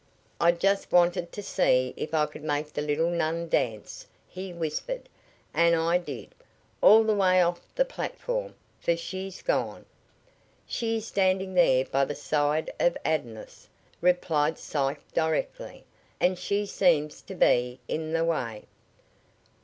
"I just wanted to see if I could make the little nun dance," he whispered, "and I did all the way off the platform, for she's gone." "She is standing there by the side of Adonis," replied Psyche directly. "And she seems to be in the way."